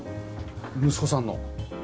息子さんの？